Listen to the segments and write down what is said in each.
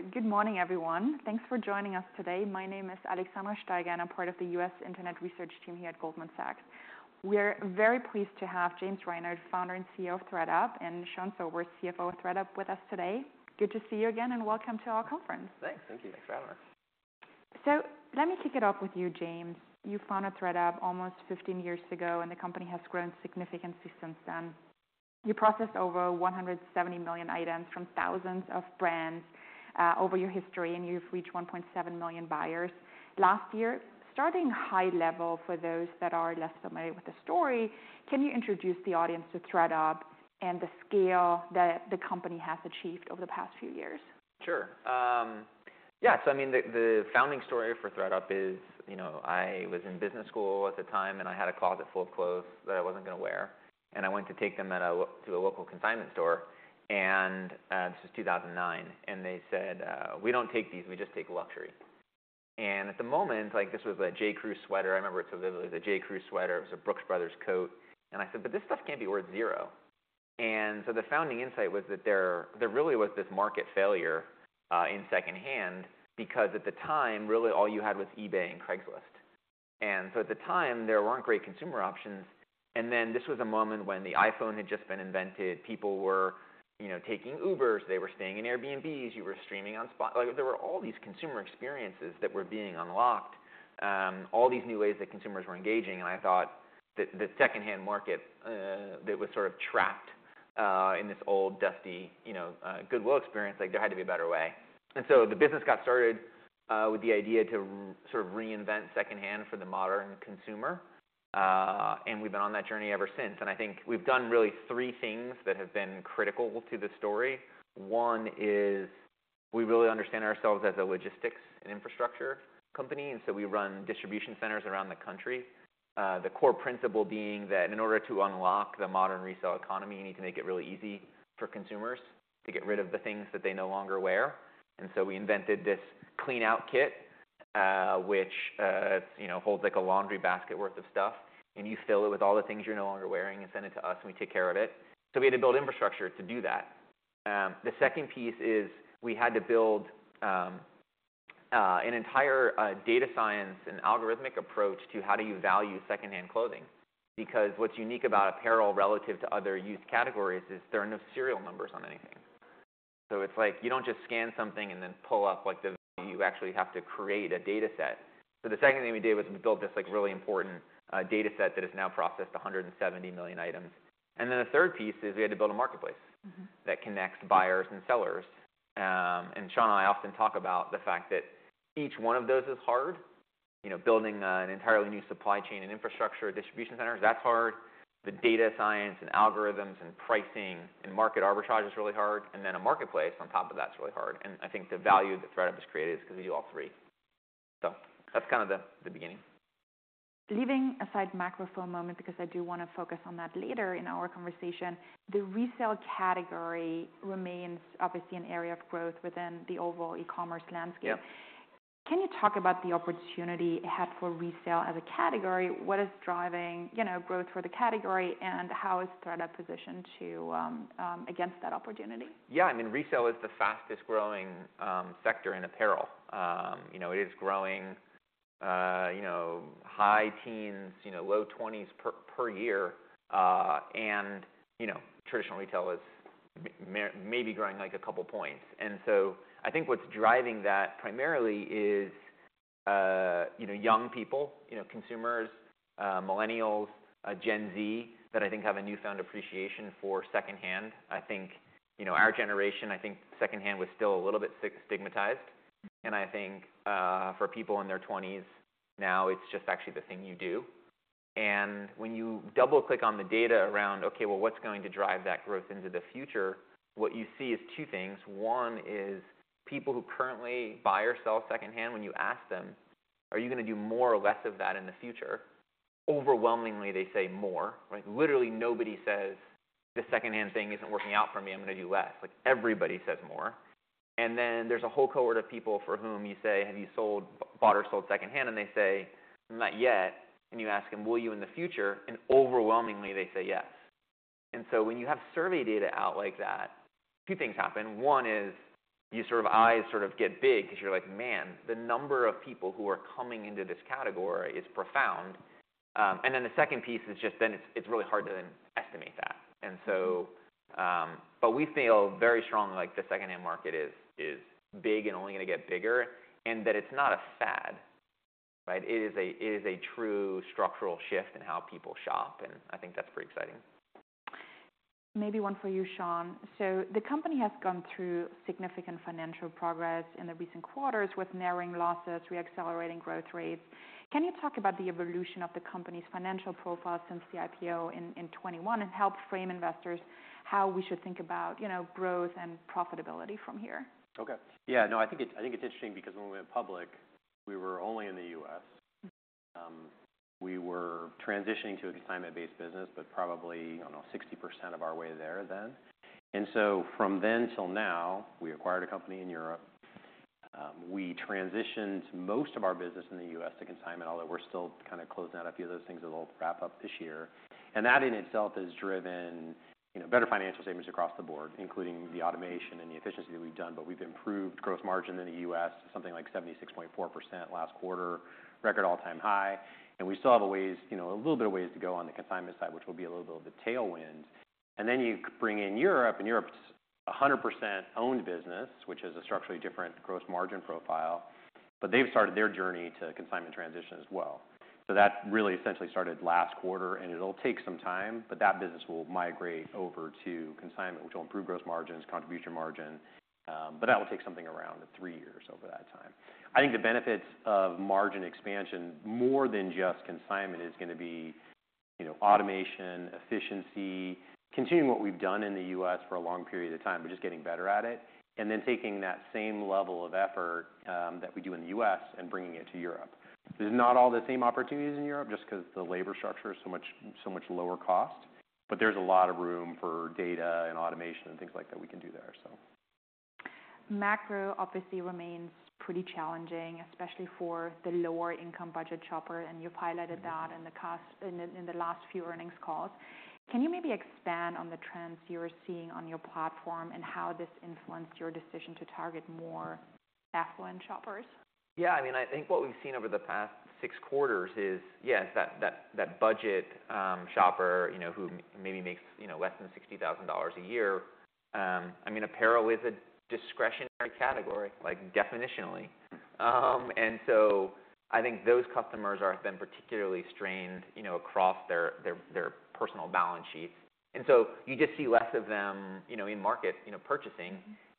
Well, so good morning, everyone. Thanks for joining us today. My name is Alexandra Steiger, and I'm part of the U.S. Internet Research Team here at Goldman Sachs. We're very pleased to have James Reinhart, founder and CEO of ThredUp, and Sean Sobers, CFO of ThredUp, with us today. Good to see you again, and welcome to our conference. Thanks. Thank you. Thanks for having us. So let me kick it off with you, James. You founded ThredUp almost 15 years ago, and the company has grown significantly since then. You processed over 170 million items from thousands of brands over your history, and you've reached 1.7 million buyers last year. Starting high level, for those that are less familiar with the story, can you introduce the audience to ThredUp and the scale that the company has achieved over the past few years? Sure. Yeah, so I mean, the founding story for ThredUp is, you know, I was in business school at the time, and I had a closet full of clothes that I wasn't gonna wear, and I went to take them to a local consignment store, and this was 2009, and they said, "We don't take these, we just take luxury." And at the moment, like, this was a J.Crew sweater. I remember it so vividly, the J.Crew sweater. It was a Brooks Brothers coat, and I said, "But this stuff can't be worth zero." And so the founding insight was that there really was this market failure in secondhand, because at the time, really all you had was eBay and Craigslist. And so at the time, there weren't great consumer options, and then this was a moment when the iPhone had just been invented. People were, you know, taking Ubers, they were staying in Airbnbs, you were streaming on Spotify—like, there were all these consumer experiences that were being unlocked, all these new ways that consumers were engaging, and I thought that the secondhand market that was sort of trapped in this old dusty, you know, Goodwill experience, like, there had to be a better way. And so the business got started with the idea to sort of reinvent secondhand for the modern consumer, and we've been on that journey ever since. And I think we've done really three things that have been critical to the story. One is we really understand ourselves as a logistics and infrastructure company, and so we run distribution centers around the country. The core principle being that in order to unlock the modern resale economy, you need to make it really easy for consumers to get rid of the things that they no longer wear. And so we invented this Clean Out Kit, which you know holds like a laundry basket worth of stuff, and you fill it with all the things you're no longer wearing and send it to us, and we take care of it. So we had to build infrastructure to do that. The second piece is we had to build an entire data science and algorithmic approach to how do you value secondhand clothing? Because what's unique about apparel relative to other used categories is there are no serial numbers on anything. So it's like you don't just scan something and then pull up, like, the... You actually have to create a data set. So the second thing we did was we built this, like, really important data set that has now processed 170 million items. And then the third piece is we had to build a marketplace- Mm-hmm. That connects buyers and sellers. And Sean and I often talk about the fact that each one of those is hard. You know, building an entirely new supply chain and infrastructure, distribution centers, that's hard. The data science, and algorithms, and pricing, and market arbitrage is really hard, and then a marketplace on top of that is really hard. And I think the value that ThredUp has created is because we do all three. So that's kind of the beginning. Leaving aside macro for a moment, because I do want to focus on that later in our conversation, the resale category remains obviously an area of growth within the overall e-commerce landscape. Yeah. Can you talk about the opportunity ahead for resale as a category? What is driving, you know, growth for the category, and how is ThredUp positioned to against that opportunity? Yeah, I mean, resale is the fastest growing sector in apparel. You know, it is growing, you know, high teens, you know, low twenties per year. And, you know, traditional retail is maybe growing like a couple points. And so I think what's driving that primarily is, you know, young people, you know, consumers, Millennials, Gen Z, that I think have a newfound appreciation for secondhand. I think, you know, our generation, I think secondhand was still a little bit stigmatized, and I think, for people in their twenties now, it's just actually the thing you do. And when you double-click on the data around, okay, well, what's going to drive that growth into the future? What you see is two things. One is people who currently buy or sell secondhand, when you ask them, "Are you gonna do more or less of that in the future?" Overwhelmingly, they say more, right? Literally, nobody says, "The secondhand thing isn't working out for me, I'm gonna do less." Like, everybody says more. And then there's a whole cohort of people for whom you say, "Have you bought or sold secondhand?" And they say, "Not yet." And you ask them, "Will you in the future?" And overwhelmingly they say, "Yes." And so when you have survey data out like that, two things happen. One is your sort of eyes sort of get big because you're like, Man, the number of people who are coming into this category is profound. And then the second piece is just then it's, it's really hard to then estimate that. We feel very strongly, like, the secondhand market is big and only gonna get bigger, and that it's not a fad, right? It is a true structural shift in how people shop, and I think that's pretty exciting. Maybe one for you, Sean. So the company has gone through significant financial progress in the recent quarters with narrowing losses, reaccelerating growth rates. Can you talk about the evolution of the company's financial profile since the IPO in 2021, and help frame investors how we should think about, you know, growth and profitability from here? Okay. Yeah, no, I think it's interesting because when we went public, we were only in the U.S. Mm-hmm. We were transitioning to a consignment-based business, but probably, I don't know, 60% of our way there then. And so from then till now, we acquired a company in Europe.... we transitioned most of our business in the U.S. to consignment, although we're still kind of closing out a few of those things that'll wrap up this year. And that in itself has driven, you know, better financial statements across the board, including the automation and the efficiency that we've done, but we've improved gross margin in the U.S. to something like 76.4% last quarter, record all-time high. And we still have a ways, you know, a little bit of ways to go on the consignment side, which will be a little bit of a tailwind. And then you bring in Europe, and Europe's a 100% owned business, which is a structurally different gross margin profile, but they've started their journey to consignment transition as well. So that really essentially started last quarter, and it'll take some time, but that business will migrate over to consignment, which will improve gross margins, contribution margin, but that will take something around three years over that time. I think the benefits of margin expansion, more than just consignment, is gonna be, you know, automation, efficiency, continuing what we've done in the U.S. for a long period of time, but just getting better at it, and then taking that same level of effort, that we do in the U.S. and bringing it to Europe. There's not all the same opportunities in Europe, just 'cause the labor structure is so much, so much lower cost, but there's a lot of room for data and automation and things like that we can do there, so. Macro obviously remains pretty challenging, especially for the lower income budget shopper, and you highlighted that- Mm-hmm In the last few earnings calls. Can you maybe expand on the trends you are seeing on your platform, and how this influenced your decision to target more affluent shoppers? Yeah, I mean, I think what we've seen over the past six quarters is, yes, that budget shopper, you know, who maybe makes, you know, less than $60,000 a year. I mean, apparel is a discretionary category, like, definitionally. And so I think those customers are often particularly strained, you know, across their personal balance sheet. And so you just see less of them, you know, in market, you know, purchasing.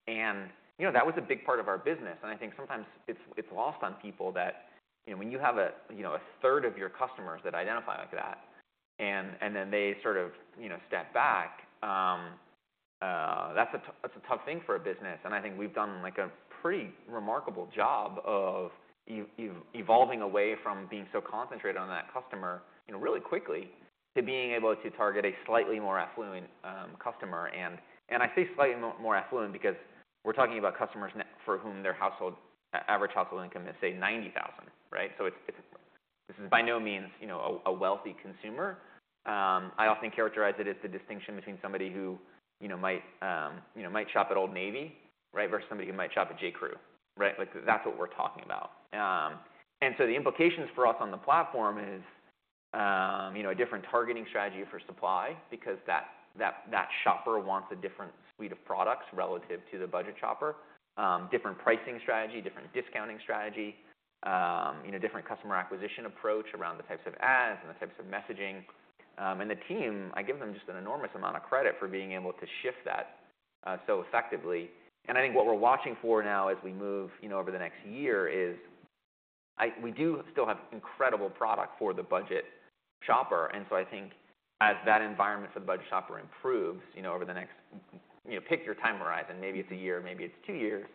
And, you know, that was a big part of our business, and I think sometimes it's lost on people that, you know, when you have a, you know, a third of your customers that identify like that, and then they sort of, you know, step back, that's a tough thing for a business. And I think we've done, like, a pretty remarkable job of evolving away from being so concentrated on that customer, you know, really quickly, to being able to target a slightly more affluent customer. And I say slightly more affluent because we're talking about customers for whom their household average household income is, say, $90,000, right? So it's... This is by no means, you know, a wealthy consumer. I often characterize it as the distinction between somebody who, you know, might shop at Old Navy, right? Versus somebody who might shop at J.Crew, right? Like, that's what we're talking about. And so the implications for us on the platform is, you know, a different targeting strategy for supply because that shopper wants a different suite of products relative to the budget shopper. Different pricing strategy, different discounting strategy, you know, different customer acquisition approach around the types of ads and the types of messaging. And the team, I give them just an enormous amount of credit for being able to shift that so effectively. I think what we're watching for now as we move, you know, over the next year is we do still have incredible product for the budget shopper, and so I think as that environment for the budget shopper improves, you know, over the next, you know, pick your time horizon, maybe it's a year, maybe it's two years,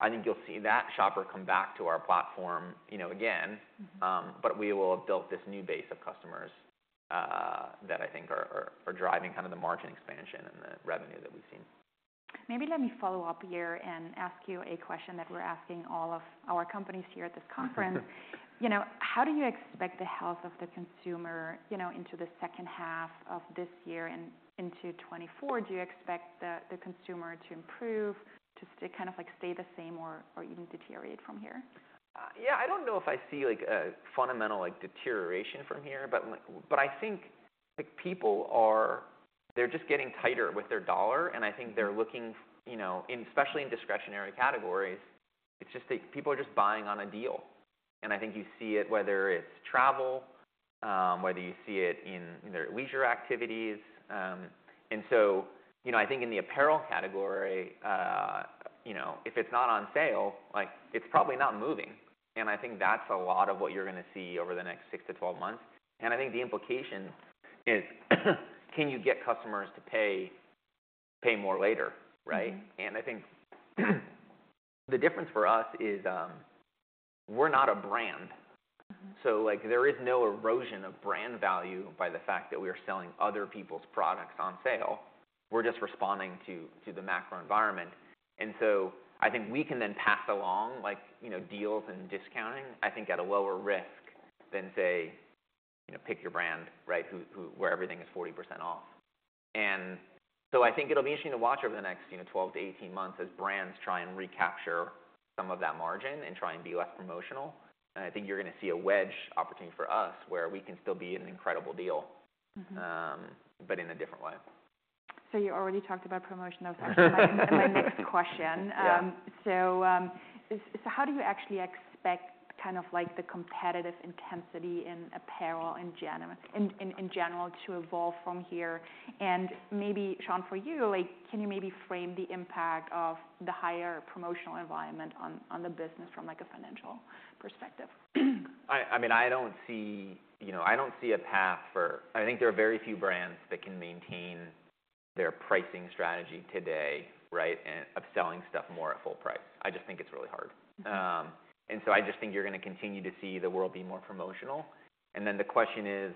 I think you'll see that shopper come back to our platform, you know, again. Mm-hmm. But we will have built this new base of customers, that I think are driving kind of the margin expansion and the revenue that we've seen. Maybe let me follow up here and ask you a question that we're asking all of our companies here at this conference. You know, how do you expect the health of the consumer, you know, into the second half of this year and into 2024? Do you expect the consumer to improve, to kind of like stay the same or even deteriorate from here? Yeah, I don't know if I see, like, a fundamental, like, deterioration from here, but like... But I think, like, people are, they're just getting tighter with their dollar, and I think- Mm-hmm... they're looking, you know, in especially in discretionary categories, it's just that people are just buying on a deal, and I think you see it whether it's travel, whether you see it in their leisure activities. And so, you know, I think in the apparel category, you know, if it's not on sale, like, it's probably not moving, and I think that's a lot of what you're gonna see over the next six to 12 months. And I think the implication is, can you get customers to pay, pay more later, right? Mm-hmm. And I think, the difference for us is, we're not a brand. Mm-hmm. So, like, there is no erosion of brand value by the fact that we are selling other people's products on sale. We're just responding to the macro environment. And so I think we can then pass along, like, you know, deals and discounting, I think at a lower risk than say, you know, pick your brand, right, who... Where everything is 40% off. And so I think it'll be interesting to watch over the next, you know, 12-18 months as brands try and recapture some of that margin and try and be less promotional, and I think you're gonna see a wedge opportunity for us where we can still be an incredible deal- Mm-hmm... but in a different way. So you already talked about promotion. That was actually my next question. Yeah. So, how do you actually expect kind of like the competitive intensity in apparel in general to evolve from here? And maybe, Sean, for you, like, can you maybe frame the impact of the higher promotional environment on the business from, like, a financial perspective? I mean, I don't see, you know, I don't see a path for.... I think there are very few brands that can maintain their pricing strategy today, right, and of selling stuff more at full price. I just think it's really hard. So I just think you're gonna continue to see the world be more promotional. And then the question is,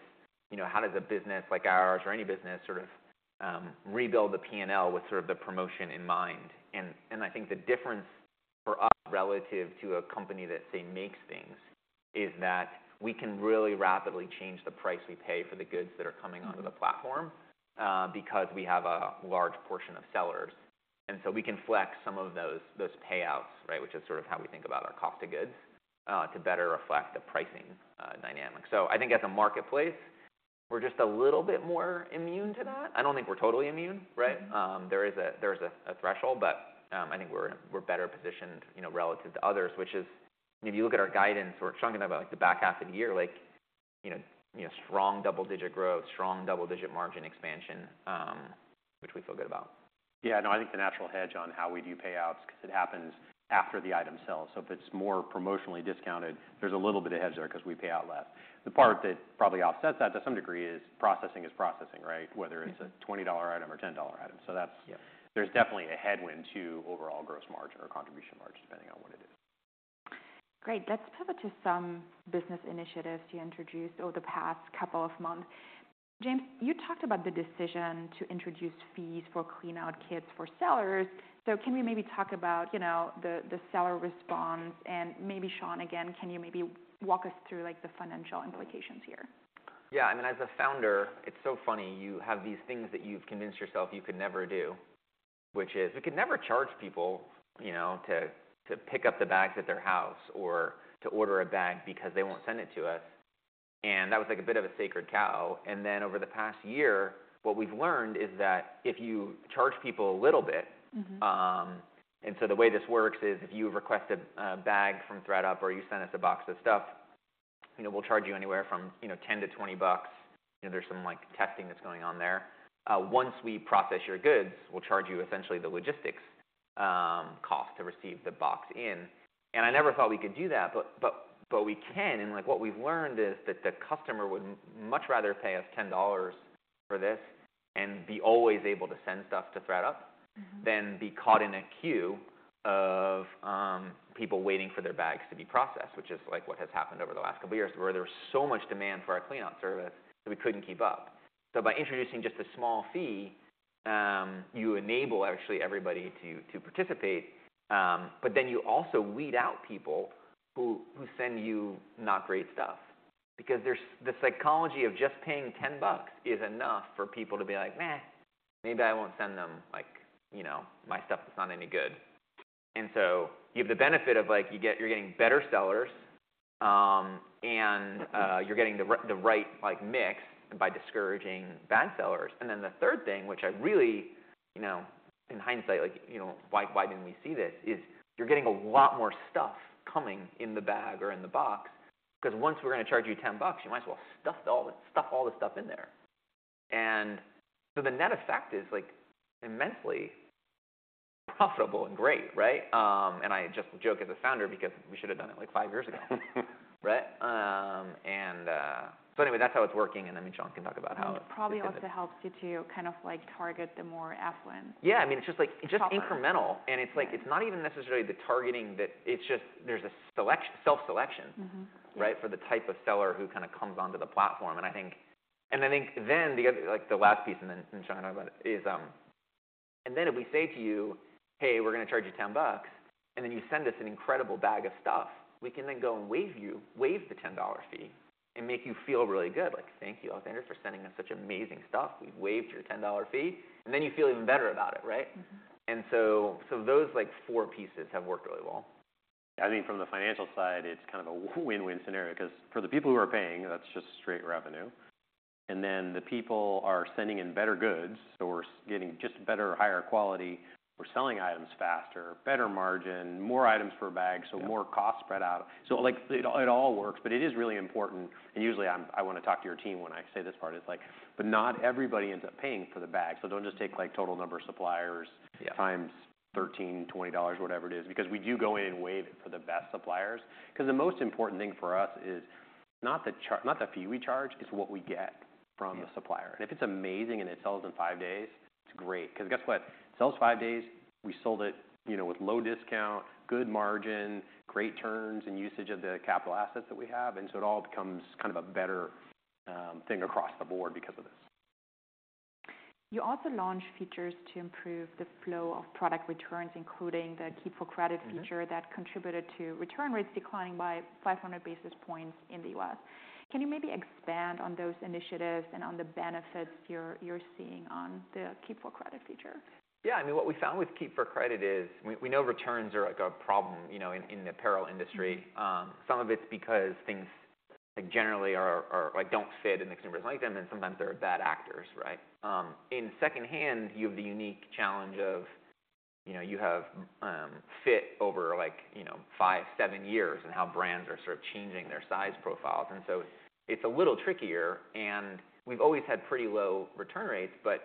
you know, how does a business like ours, or any business, sort of, rebuild the P&L with sort of the promotion in mind? And I think the difference for us relative to a company that, say, makes things, is that we can really rapidly change the price we pay for the goods that are coming onto the platform, because we have a large portion of sellers. And so we can flex some of those, those payouts, right? Which is sort of how we think about our cost of goods, to better reflect the pricing, dynamics. So I think as a marketplace, we're just a little bit more immune to that. I don't think we're totally immune, right? Mm-hmm. There is a threshold, but I think we're better positioned, you know, relative to others, which is... If you look at our guidance, we're talking about, like, the back half of the year, like, you know, strong double-digit growth, strong double-digit margin expansion, which we feel good about. Yeah, no, I think the natural hedge on how we do payouts, 'cause it happens after the item sells, so if it's more promotionally discounted, there's a little bit of hedge there 'cause we pay out less. Yeah. The part that probably offsets that to some degree is processing is processing, right? Mm-hmm. Whether it's a $20 item or $10 item. So that's- Yeah. There's definitely a headwind to overall gross margin or contribution margin, depending on what it is. Great. Let's pivot to some business initiatives you introduced over the past couple of months. James, you talked about the decision to introduce fees for cleanout kits for sellers. So can you maybe talk about, you know, the seller response and maybe, Sean, again, can you maybe walk us through, like, the financial implications here? Yeah. I mean, as a founder, it's so funny, you have these things that you've convinced yourself you could never do, which is, we could never charge people, you know, to pick up the bags at their house or to order a bag because they won't send it to us. And that was, like, a bit of a sacred cow. And then, over the past year, what we've learned is that if you charge people a little bit- Mm-hmm. And so the way this works is, if you request a bag from ThredUp, or you send us a box of stuff, you know, we'll charge you anywhere from, you know, $10-$20. You know, there's some, like, testing that's going on there. Once we process your goods, we'll charge you essentially the logistics cost to receive the box in. And I never thought we could do that, but we can, and, like, what we've learned is that the customer would much rather pay us $10 for this and be always able to send stuff to ThredUp- Mm-hmm... than be caught in a queue of people waiting for their bags to be processed, which is, like, what has happened over the last couple of years, where there was so much demand for our cleanout service that we couldn't keep up. So by introducing just a small fee, you enable, actually, everybody to participate, but then you also weed out people who send you not great stuff. Because there's the psychology of just paying $10 is enough for people to be like, "Meh, maybe I won't send them, like, you know, my stuff that's not any good." And so you have the benefit of, like, you're getting better sellers, and you're getting the right, like, mix by discouraging bad sellers. And then the third thing, which I really, you know, in hindsight, like, you know, why, why didn't we see this, is you're getting a lot more stuff coming in the bag or in the box, 'cause once we're gonna charge you $10, you might as well stuff all the stuff in there. And so the net effect is, like, immensely profitable and great, right? And I just joke as a founder because we should have done it, like, five years ago. Right? So anyway, that's how it's working, and then me and Sean can talk about how it- It probably also helps you to kind of, like, target the more affluent. Yeah, I mean, it's just, like, it's just incremental. Yeah. It's like, it's not even necessarily the targeting. It's just, there's a self-selection- Mm-hmm. Yeah... right, for the type of seller who kind of comes onto the platform. And I think, and I think then, the other, like, the last piece, and then, and Sean can talk about it, is. And then if we say to you, "Hey, we're gonna charge you $10," and then you send us an incredible bag of stuff, we can then go and waive the $10 fee and make you feel really good, like, "Thank you, oh, thank you for sending us such amazing stuff. We've waived your $10 fee." And then you feel even better about it, right? Mm-hmm. So those, like, four pieces have worked really well. I mean, from the financial side, it's kind of a win-win scenario, 'cause for the people who are paying, that's just straight revenue. And then, the people are sending in better goods, so we're getting just better, higher quality. We're selling items faster, better margin, more items per bag- Yeah... so more cost spread out. So, like, it all works, but it is really important, and usually I'm, I want to talk to your team when I say this part, it's like, but not everybody ends up paying for the bag. So don't just take, like, total number of suppliers- Yeah... 13x, $20, whatever it is, because we do go in and waive it for the best suppliers. Because the most important thing for us is not the fee we charge, it's what we get from- Yeah... the supplier. If it's amazing and it sells in five days, it's great. Because guess what? Sells in five days, we sold it, you know, with low discount, good margin, great turns and usage of the capital assets that we have, and so it all becomes kind of a better thing across the board because of this. You also launched features to improve the flow of product returns, including the Keep for Credit feature- Mm-hmm... that contributed to return rates declining by 500 basis points in the U.S. Can you maybe expand on those initiatives and on the benefits you're seeing on the Keep for Credit feature? Yeah, I mean, what we found with Keep for Credit is, we, we know returns are, like, a problem, you know, in, in the apparel industry. Mm-hmm. Some of it's because things, like, generally are like don't fit and the customers don't like them, and sometimes they're bad actors, right? In secondhand, you have the unique challenge of, you know, you have fit over, like, you know, five to seven years, and how brands are sort of changing their size profiles, and so it's a little trickier. And we've always had pretty low return rates, but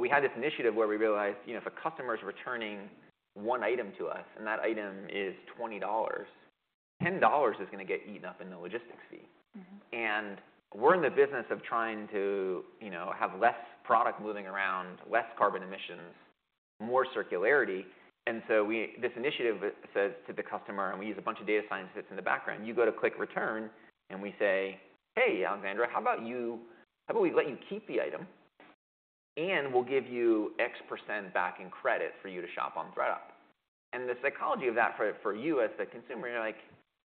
we had this initiative where we realized, you know, if a customer's returning one item to us, and that item is $20, $10 is gonna get eaten up in the logistics fee. Mm-hmm. We're in the business of trying to, you know, have less product moving around, less carbon emissions... more circularity. So this initiative says to the customer, and we use a bunch of data science that's in the background. You go to click return, and we say, "Hey, Xandra, how about you- how about we let you keep the item, and we'll give you x% back in credit for you to shop on ThredUp?" The psychology of that for, for you as the consumer, you're like,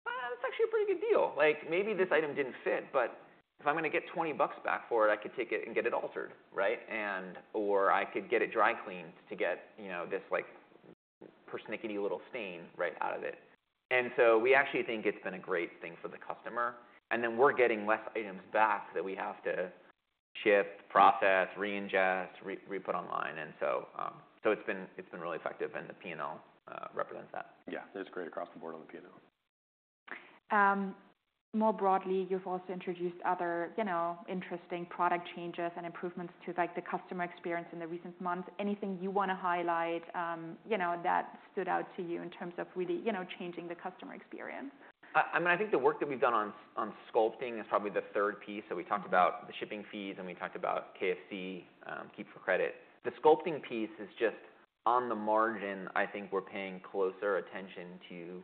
"That's actually a pretty good deal. Like, maybe this item didn't fit, but if I'm gonna get $20 back for it, I could take it and get it altered," right? And, or I could get it dry cleaned to get, you know, this, like, persnickety little stain right out of it." And so we actually think it's been a great thing for the customer, and then we're getting less items back that we have to ship, process, re-ingest, re-reput online. And so, so it's been, it's been really effective, and the P&L represents that. Yeah, it's great across the board on the P&L. More broadly, you've also introduced other, you know, interesting product changes and improvements to, like, the customer experience in the recent months. Anything you wanna highlight, you know, that stood out to you in terms of really, you know, changing the customer experience? I mean, I think the work that we've done on Sculpting is probably the third piece. So we talked about the shipping fees, and we talked about KFC, keep for credit. The sculpting piece is just on the margin. I think we're paying closer attention to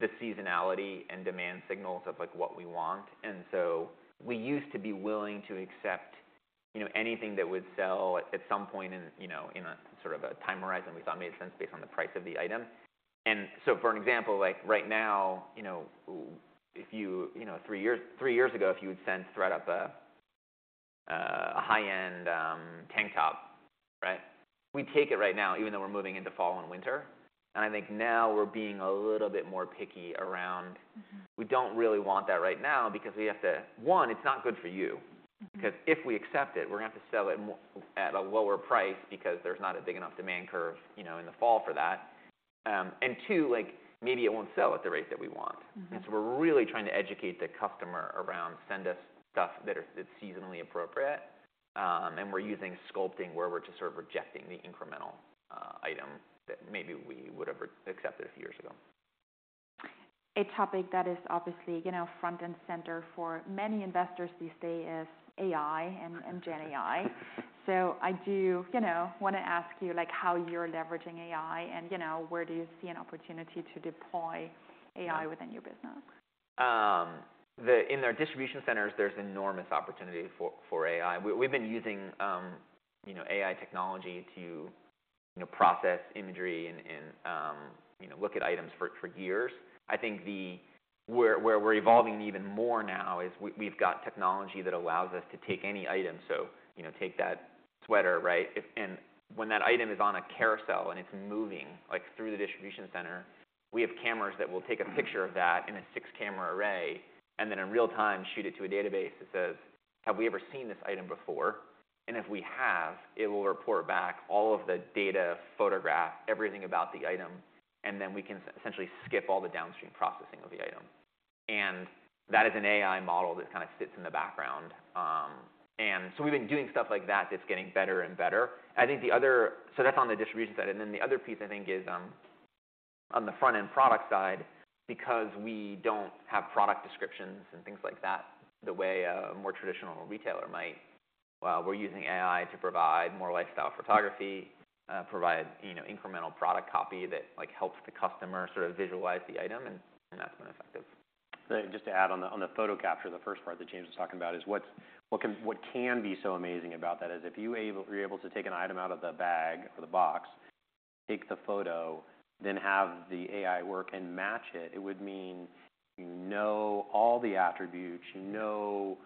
the seasonality and demand signals of, like, what we want. And so we used to be willing to accept, you know, anything that would sell at some point in, you know, in a sort of a time horizon we thought made sense based on the price of the item. And so for an example, like, right now, you know, if you... You know, three years, three years ago, if you would send ThredUp a high-end tank top, right? We'd take it right now, even though we're moving into fall and winter. I think now we're being a little bit more picky around- Mm-hmm. We don't really want that right now because we have to: one, it's not good for you. Mm-hmm. 'Cause if we accept it, we're gonna have to sell it at a lower price because there's not a big enough demand curve, you know, in the fall for that. And two, like, maybe it won't sell at the rate that we want. Mm-hmm. And so we're really trying to educate the customer around send us stuff that are, that's seasonally appropriate. And we're using sculpting, where we're just sort of rejecting the incremental item that maybe we would have accepted a few years ago. A topic that is obviously, you know, front and center for many investors these days is AI and GenAI. So I do, you know, wanna ask you, like, how you're leveraging AI and, you know, where do you see an opportunity to deploy AI within your business? In our distribution centers, there's enormous opportunity for AI. We've been using you know AI technology to you know process imagery and you know look at items for years. I think where we're evolving even more now is we've got technology that allows us to take any item. So, you know, take that sweater, right? And when that item is on a carousel, and it's moving, like, through the distribution center, we have cameras that will take a picture of that in a 6-camera array, and then in real-time, shoot it to a database that says: Have we ever seen this item before? And if we have, it will report back all of the data, photograph, everything about the item, and then we can essentially skip all the downstream processing of the item. And that is an AI model that kind of sits in the background. And so we've been doing stuff like that that's getting better and better. So that's on the distribution side, and then the other piece, I think, is on the front end product side, because we don't have product descriptions and things like that, the way a more traditional retailer might, we're using AI to provide more lifestyle photography, provide, you know, incremental product copy that, like, helps the customer sort of visualize the item, and that's been effective. Just to add on the photo capture, the first part that James was talking about, is what can be so amazing about that is if you're able to take an item out of the bag or the box, take the photo, then have the AI work and match it, it would mean you know all the attributes, you know...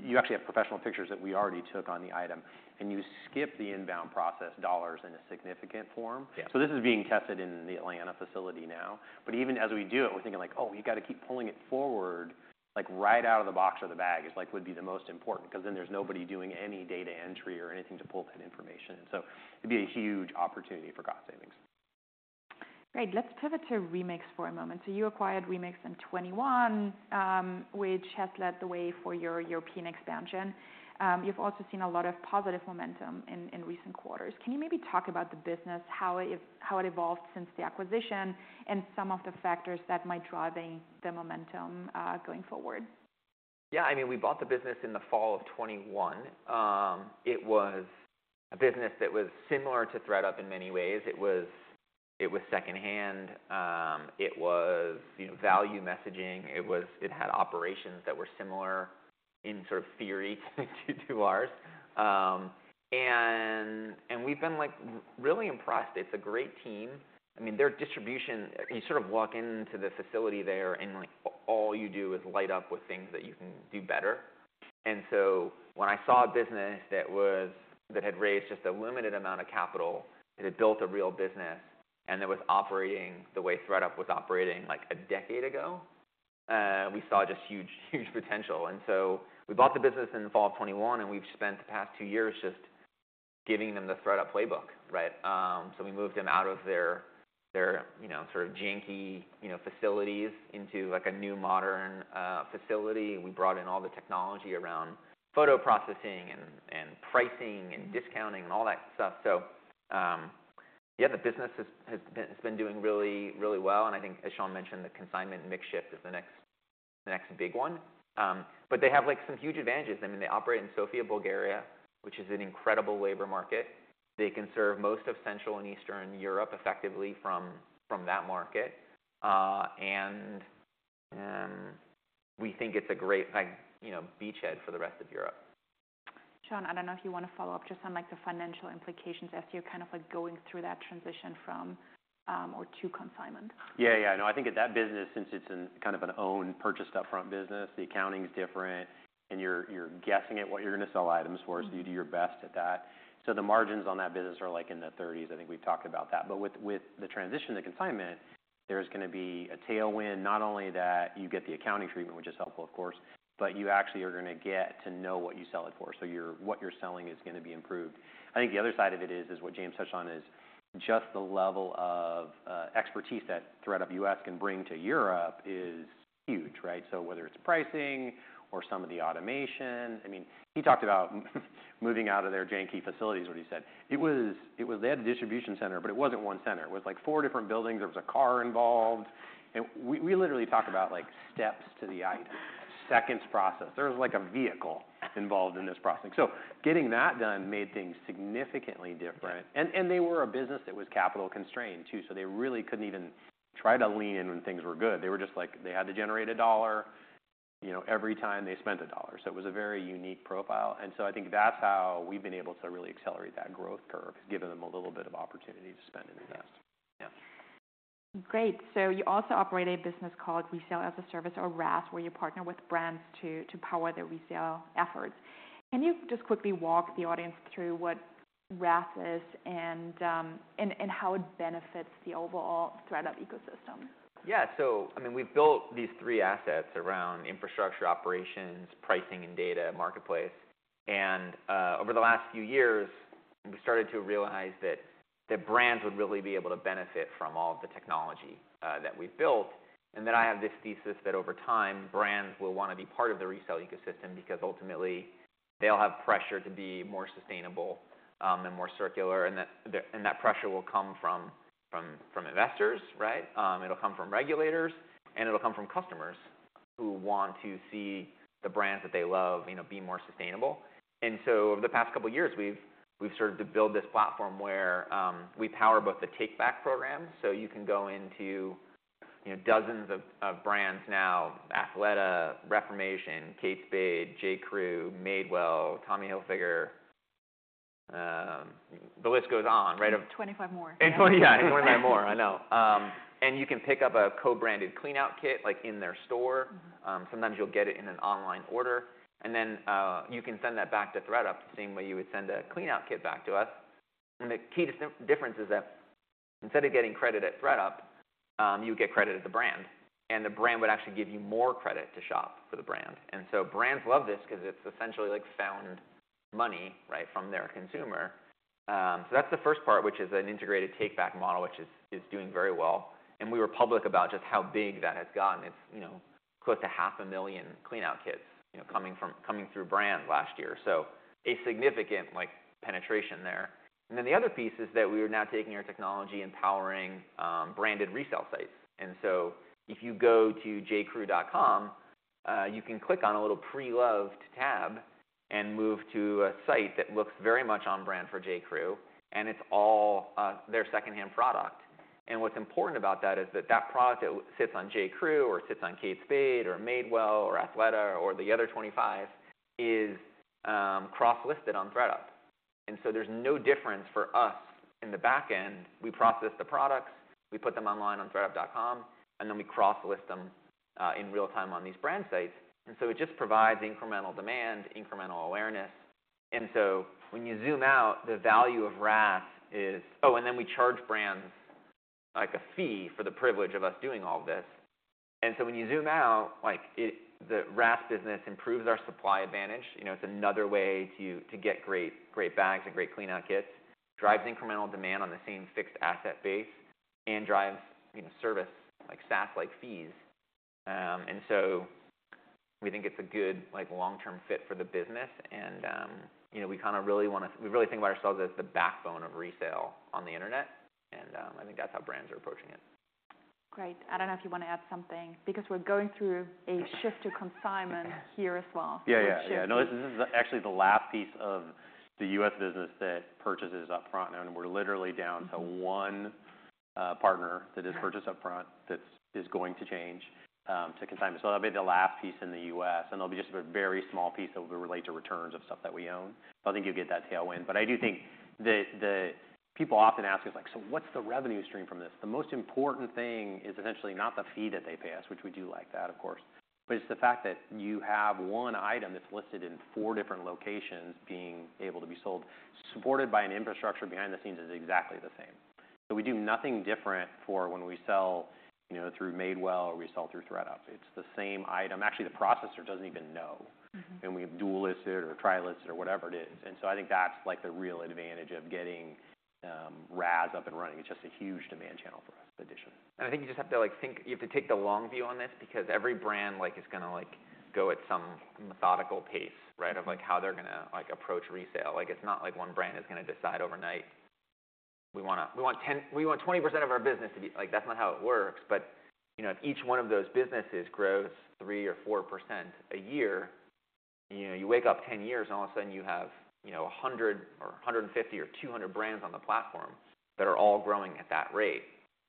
You actually have professional pictures that we already took on the item, and you skip the inbound process dollars in a significant form. Yeah. So this is being tested in the Atlanta facility now, but even as we do it, we're thinking like, "Oh, we've got to keep pulling it forward, like, right out of the box or the bag is, like, would be the most important, 'cause then there's nobody doing any data entry or anything to pull that information." So it'd be a huge opportunity for cost savings. Great. Let's pivot to Remix for a moment. So you acquired Remix in 2021, which has led the way for your European expansion. You've also seen a lot of positive momentum in recent quarters. Can you maybe talk about the business, how it evolved since the acquisition, and some of the factors that might driving the momentum going forward? Yeah. I mean, we bought the business in the fall of 2021. It was a business that was similar to ThredUp in many ways. It was, it was secondhand. It was, you know, value messaging. It had operations that were similar in sort of theory to, to ours. And we've been, like, really impressed. It's a great team. I mean, their distribution, you sort of walk into the facility there, and, like, all you do is light up with things that you can do better. And so when I saw a business that was- that had raised just a limited amount of capital, that had built a real business, and that was operating the way ThredUp was operating, like, a decade ago, we saw just huge, huge potential. So we bought the business in the fall of 2021, and we've spent the past two years just giving them the ThredUp playbook, right? So we moved them out of their, you know, sort of janky, you know, facilities into, like, a new modern facility. We brought in all the technology around photo processing and pricing and discounting and all that stuff. So, yeah, the business has been doing really, really well, and I think as Sean mentioned, the consignment mix shift is the next big one. But they have, like, some huge advantages. I mean, they operate in Sofia, Bulgaria, which is an incredible labor market. They can serve most of Central and Eastern Europe effectively from that market, and we think it's a great, like, you know, beachhead for the rest of Europe. Sean, I don't know if you want to follow up just on, like, the financial implications as you're kind of, like, going through that transition from, or to consignment. Yeah, yeah. No, I think that that business, since it's in kind of an own purchased upfront business, the accounting's different, and you're, you're guessing at what you're going to sell items for, so you do your best at that. So the margins on that business are, like, in the thirties. I think we've talked about that. But with, with the transition to consignment, there's going to be a tailwind, not only that you get the accounting treatment, which is helpful, of course, but you actually are going to get to know what you sell it for, so you're-- what you're selling is going to be improved. I think the other side of it is, is what James touched on, is just the level of expertise that ThredUp U.S. can bring to Europe is huge, right? So whether it's pricing or some of the automation... I mean, he talked about moving out of their dingy facilities, is what he said. It was... They had a distribution center, but it wasn't one center. It was, like, four different buildings. There was a car involved, and we literally talk about, like, steps to the item, seconds process. There was, like, a vehicle involved in this process. So getting that done made things significantly different. And they were a business that was capital constrained, too, so they really couldn't even try to lean in when things were good. They were just like, they had to generate a dollar, you know, every time they spent a dollar. So it was a very unique profile. And so I think that's how we've been able to really accelerate that growth curve, giving them a little bit of opportunity to spend and invest. Yeah. Great. So you also operate a business called Resale-as-a-Service, or RaaS, where you partner with brands to power their resale efforts. Can you just quickly walk the audience through what RaaS is and how it benefits the overall ThredUp ecosystem? Yeah. So, I mean, we've built these three assets around infrastructure, operations, pricing and data, marketplace. Over the last few years, we started to realize that the brands would really be able to benefit from all of the technology that we've built. And then I have this thesis that over time, brands will want to be part of the resale ecosystem, because ultimately, they all have pressure to be more sustainable and more circular, and that pressure will come from investors, right? It'll come from regulators, and it'll come from customers who want to see the brands that they love, you know, be more sustainable. So over the past couple of years, we've started to build this platform where we power both the take-back program, so you can go into, you know, dozens of brands now, Athleta, Reformation, Kate Spade, J.Crew, Madewell, Tommy Hilfiger, the list goes on, right? 25 more. Yeah, and 25 more. I know. And you can pick up a co-branded Clean Out Kit, like, in their store. Mm-hmm. Sometimes you'll get it in an online order, and then you can send that back to ThredUp, the same way you would send a Clean Out Kit back to us. And the key difference is that instead of getting credit at ThredUp, you get credit at the brand, and the brand would actually give you more credit to shop for the brand. And so brands love this because it's essentially like found money, right, from their consumer. So that's the first part, which is an integrated take back model, which is doing very well. And we were public about just how big that has gotten. It's, you know, close to half a million Clean Out Kits, you know, coming through brands last year. So a significant, like, penetration there. And then the other piece is that we are now taking our technology and powering branded resale sites. And so if you go to jcrew.com, you can click on a little Pre-Loved tab and move to a site that looks very much on brand for J.Crew, and it's all their secondhand product. And what's important about that is that that product that sits on J.Crew or sits on Kate Spade or Madewell or Athleta or the other 25 is cross-listed on ThredUp, and so there's no difference for us in the back end. We process the products, we put them online on ThredUp.com, and then we cross-list them in real time on these brand sites. And so it just provides incremental demand, incremental awareness. And so when you zoom out, the value of RaaS is... Oh, and then we charge brands, like, a fee for the privilege of us doing all this. And so when you zoom out, like, the RaaS business improves our supply advantage. You know, it's another way to get great, great bags and great cleanout kits, drives incremental demand on the same fixed asset base, and drives, you know, service, like, SaaS-like fees. And so we think it's a good, like, long-term fit for the business. And, you know, we really think about ourselves as the backbone of resale on the internet, and I think that's how brands are approaching it. Great. I don't know if you want to add something, because we're going through a shift to consignment here as well. Yeah, yeah. No, this is actually the last piece of the U.S. business that purchases upfront, and we're literally down to one partner that does purchase upfront. That's going to change to consignment. So that'll be the last piece in the U.S., and it'll be just a very small piece that will relate to returns of stuff that we own, but I think you'll get that tailwind. But I do think that the... People often ask us, like, "So what's the revenue stream from this?" The most important thing is essentially not the fee that they pay us, which we do like that, of course, but it's the fact that you have one item that's listed in four different locations being able to be sold, supported by an infrastructure behind the scenes that's exactly the same. We do nothing different for when we sell, you know, through Madewell or we sell through ThredUp. It's the same item. Actually, the processor doesn't even know. Mm-hmm. We have dual listed or trial listed or whatever it is. So I think that's, like, the real advantage of getting, RaaS up and running. It's just a huge demand channel for us additionally. And I think you just have to, like, you have to take the long view on this, because every brand, like, is going to, like, go at some methodical pace, right? Of, like, how they're going to, like, approach resale. Like, it's not like one brand is going to decide overnight... we wanna, we want 10, we want 20% of our business to be, like, that's not how it works. But, you know, if each one of those businesses grows 3% or 4% a year, you know, you wake up 10 years, and all of a sudden you have, you know, 100 or 150 or 200 brands on the platform that are all growing at that rate.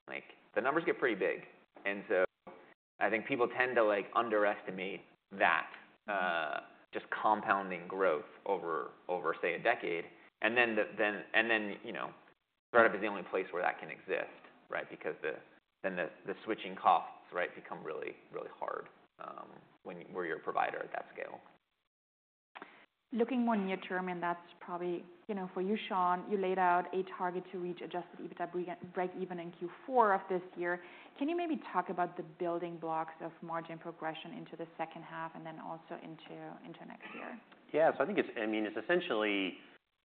Like, the numbers get pretty big. And so I think people tend to, like, underestimate that, just compounding growth over, say, a decade. And then, you know, startup is the only place where that can exist, right? Because the switching costs, right, become really, really hard when where your provider at that scale. Looking more near term, and that's probably, you know, for you, Sean, you laid out a target to reach Adjusted EBITDA breakeven in Q4 of this year. Can you maybe talk about the building blocks of margin progression into the second half, and then also into, into next year? Yeah. So I think it's... I mean, it's essentially,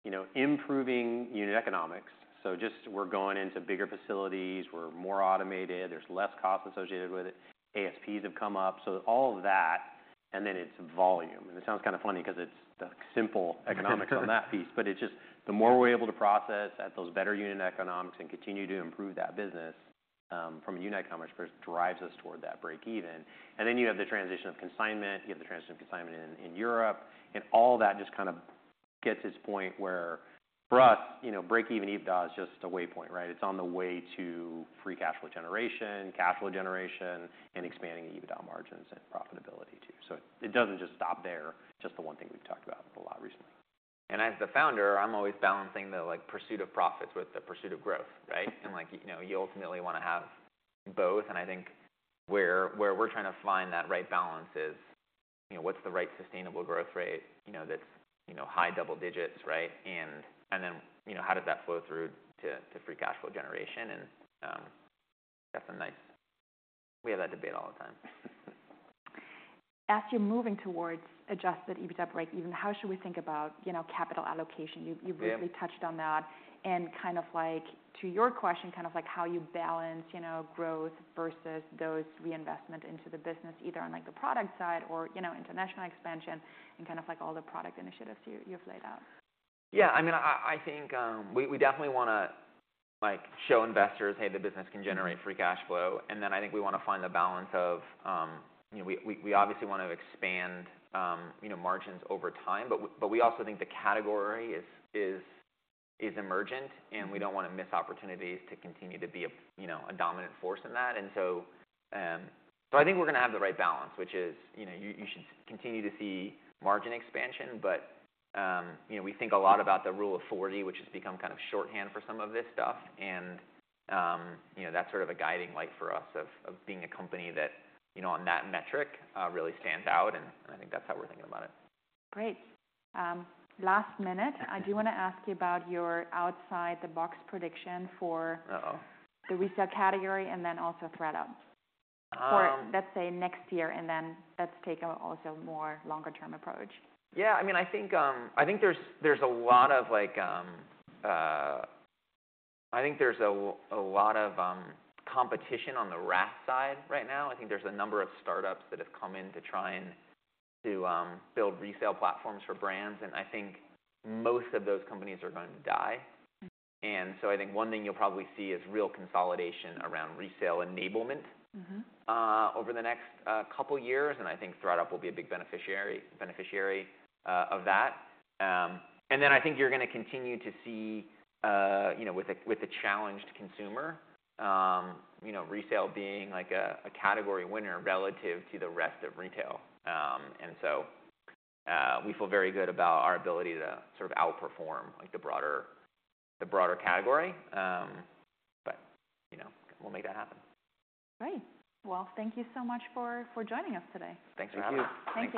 you know, improving unit economics. So just we're going into bigger facilities, we're more automated, there's less cost associated with it. ASPs have come up, so all of that, and then it's volume. And it sounds kind of funny because it's the simple economics on that piece, but it's just the more we're able to process at those better unit economics and continue to improve that business, from a unit economics perspective, drives us toward that break even. And then you have the transition of consignment, you have the transition of consignment in, in Europe, and all that just kind of gets this point where, for us, you know, break even EBITDA is just a way point, right? It's on the way to free cash flow generation, cash flow generation, and expanding the EBITDA margins and profitability too. So it doesn't just stop there, just the one thing we've talked about a lot recently. And as the founder, I'm always balancing the, like, pursuit of profits with the pursuit of growth, right? And like, you know, you ultimately wanna have both, and I think where we're trying to find that right balance is, you know, what's the right sustainable growth rate, you know, that's, you know, high double digits, right? And then, you know, how does that flow through to free cash flow generation, and have some nice... We have that debate all the time. As you're moving towards adjusted EBITDA breakeven, how should we think about, you know, capital allocation? Yeah. You briefly touched on that. And kind of like, to your question, kind of like how you balance, you know, growth versus those reinvestment into the business, either on, like, the product side or, you know, international expansion, and kind of like all the product initiatives you've laid out. Yeah, I mean, I think we definitely wanna, like, show investors, hey, the business can generate free cash flow. And then I think we wanna find the balance of, you know, we obviously want to expand, you know, margins over time, but we also think the category is emergent, and we don't wanna miss opportunities to continue to be, you know, a dominant force in that. And so I think we're gonna have the right balance, which is, you know, you should continue to see margin expansion, but, you know, we think a lot about the Rule of Forty, which has become kind of shorthand for some of this stuff. You know, that's sort of a guiding light for us of being a company that, you know, on that metric, really stands out, and I think that's how we're thinking about it. Great. Last minute, I do wanna ask you about your outside-the-box prediction for- Uh-oh... the resale category and then also ThredUp. Um- For, let's say, next year, and then let's take a also more longer term approach. Yeah, I mean, I think there's a lot of like competition on the RaaS side right now. I think there's a number of startups that have come in to try and build resale platforms for brands, and I think most of those companies are going to die. Mm-hmm. And so I think one thing you'll probably see is real consolidation around resale enablement- Mm-hmm... over the next couple years, and I think ThredUp will be a big beneficiary of that. And then I think you're gonna continue to see you know, with a challenged consumer, you know, resale being like a category winner relative to the rest of retail. And so we feel very good about our ability to sort of outperform, like, the broader category. But you know, we'll make that happen. Great. Well, thank you so much for joining us today. Thanks for having us. Thank you. Thanks.